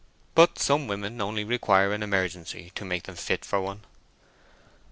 But some women only require an emergency to make them fit for one.